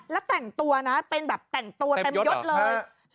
แล้วแต่งตัวนะเป็นแบบแต่งตัวเต็มยดเลย